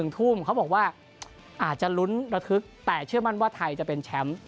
ทุ่มเขาบอกว่าอาจจะลุ้นระทึกแต่เชื่อมั่นว่าไทยจะเป็นแชมป์